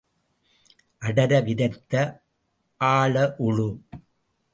அடர விதைத்து ஆழ உழு.